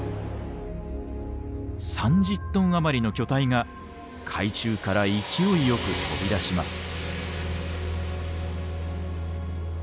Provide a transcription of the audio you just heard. ３０トンあまりの巨体が海中から勢いよく飛び出します。